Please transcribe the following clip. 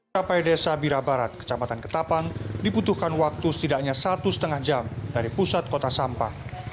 ketapa desa bira barat kecamatan ketapan diputuhkan waktu setidaknya satu setengah jam dari pusat kota sampang